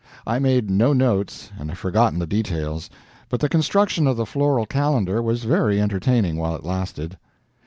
I made no notes, and have forgotten the details, but the construction of the floral calendar was very entertaining while it lasted.